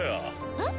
えっ？